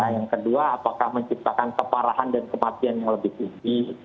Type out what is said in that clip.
yang kedua apakah menciptakan keparahan dan kematian yang lebih tinggi